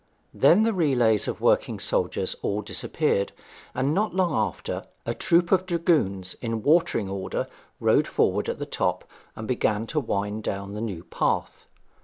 Then the relays of working soldiers all disappeared, and, not long after, a troop of dragoons in watering order rode forward at the top and began to wind down the new path.